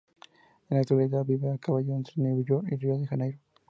En la actualidad vive a caballo entre New York y Rio de Janeiro.